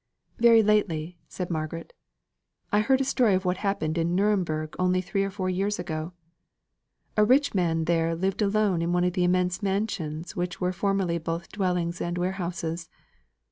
"Very lately," said Margaret, "I heard a story of what happened in Nuremberg only three or four years ago. A rich man there lived alone in one of the immense mansions which were formerly both dwellings and warehouses.